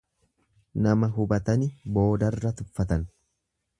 Nama hubatani boodarra tuffatan.